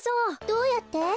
どうやって？